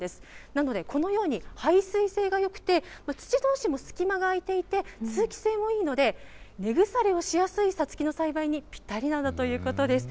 なのでこのように、排水性がよくて、土どうしも隙間が空いていて通気性もいいので、根腐れをしやすいさつきの栽培にぴったりなんだということです。